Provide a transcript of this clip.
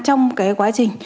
trong cái quá trình